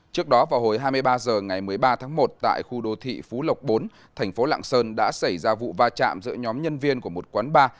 trước đó vào hồi hai mươi ba h ngày một mươi ba tháng một tại khu đô thị phú lộc bốn thành phố lạng sơn đã xảy ra vụ va chạm giữa nhóm nhân viên của một quán bar